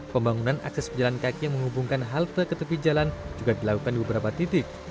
pembangunan akses pejalan kaki yang menghubungkan halte ke tepi jalan juga dilakukan di beberapa titik